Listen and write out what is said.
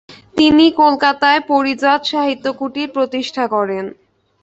তিনি কলকাতায় ‘‘পারিজাত সাহিত্য কুটির’’ প্রতিষ্ঠা করেন।